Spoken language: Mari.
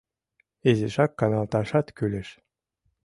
Изишак каналташат кӱлеш.